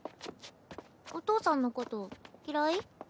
お父さんのこと嫌い？